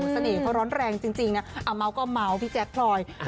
สนิทเขาร้อนแรงจริงนะเอาเมาท์ก็เอาเมาท์พี่แจ๊คพลอย